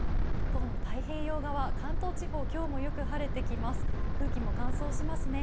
一方の太平洋側、関東地方は今日もよく晴れてきます。